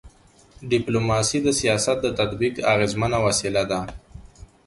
ډيپلوماسي د سیاست د تطبیق اغيزمنه وسیله ده.